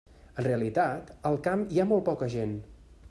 En realitat, al camp hi ha molt poca gent.